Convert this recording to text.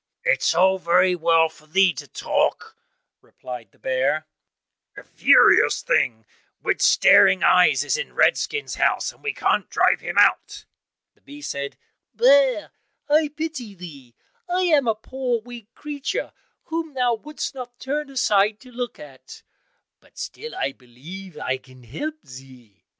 "It is all very well for thee to talk," replied the bear, "a furious beast with staring eyes is in Redskin's house, and we can't drive him out." The bee said, "Bear I pity thee, I am a poor weak creature whom thou wouldst not turn aside to look at, but still, I believe, I can help thee."